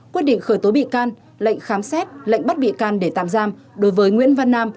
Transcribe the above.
quyết định khởi tố bị can lệnh khám xét lệnh bắt bị can để tạm giam đối với nguyễn văn nam